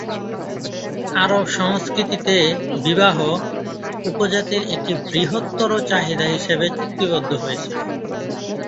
আরব সংস্কৃতিতে, বিবাহ, উপজাতির একটি বৃহত্তর চাহিদা হিসেবে চুক্তিবদ্ধ হয়েছিল।